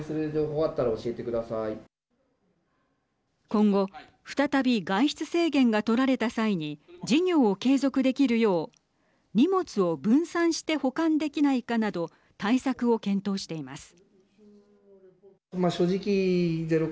今後再び外出制限が取られた際に事業を継続できるよう荷物を分散して保管できないかなど対策を検討しています。